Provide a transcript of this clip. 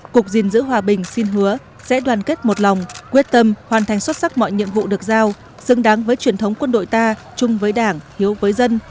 cục diện giữ hòa bình xin hứa sẽ đoàn kết một lòng quyết tâm hoàn thành xuất sắc mọi nhiệm vụ được giao xứng đáng với truyền thống quân đội ta chung với đảng hiếu với dân